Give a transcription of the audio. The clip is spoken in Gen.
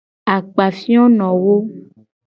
Akpafionowo.